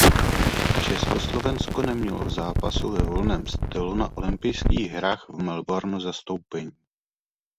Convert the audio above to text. Československo nemělo v zápasu ve volném stylu na olympijských hrách v Melbourne zastoupení.